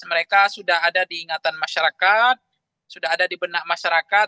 mereka sudah ada diingatan masyarakat sudah ada di benak masyarakat